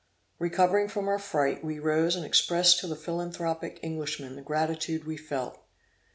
Recovering from our fright, we rose and expressed to the philanthropic Englishman the gratitude we felt.